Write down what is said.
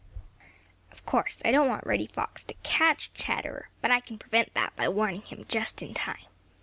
"Of course I don't want Reddy to catch Chatterer, but I can prevent that by warning him just in time.